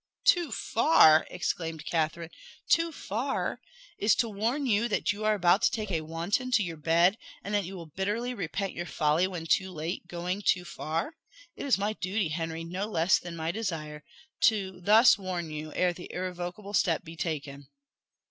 "Too far!" exclaimed Catherine. "Too far! Is to warn you that you are about to take a wanton to your bed and that you will bitterly repent your folly when too late, going too far? It is my duty, Henry, no less than my desire, thus to warn you ere the irrevocable step be taken."